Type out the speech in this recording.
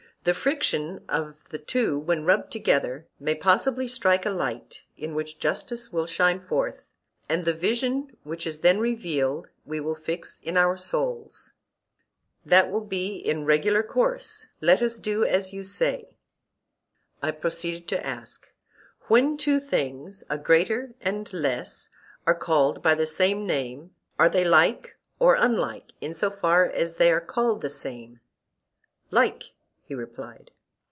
The friction of the two when rubbed together may possibly strike a light in which justice will shine forth, and the vision which is then revealed we will fix in our souls. That will be in regular course; let us do as you say. I proceeded to ask: When two things, a greater and less, are called by the same name, are they like or unlike in so far as they are called the same? Like, he replied.